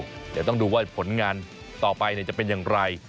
เดี๋ยวต้องดูว่าผลงานต่อไปจะเป็นอย่างไร